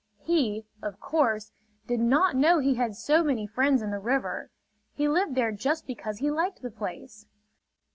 He, of course, did not know he had so many friends in the river. He lived there just because he liked the place.